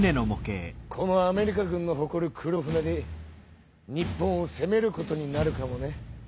このアメリカ軍のほこる黒船で日本をせめることになるかもね。